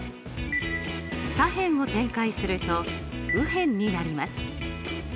左辺を展開すると右辺になります。